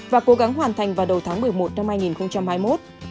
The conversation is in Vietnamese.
và cố gắng hoàn thành vào đầu tháng một mươi một năm hai nghìn hai mươi một